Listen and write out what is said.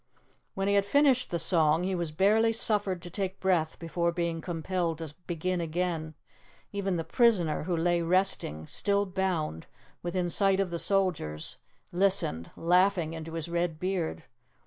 When he had finished the song, he was barely suffered to take breath before being compelled to begin again; even the prisoner, who lay resting, still bound, within sight of the soldiers, listened, laughing into his red beard.